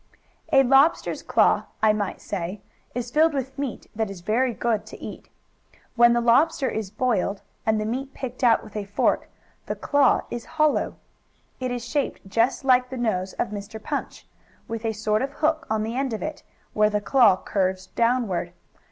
A lobster's claw, I might say, is filled with meat that is very good to eat. When the lobster is boiled and the meat picked out with a fork, the claw is hollow. It is shaped just like the nose of Mr. Punch, with a sort of hook on the end of it, where the claw curves downward.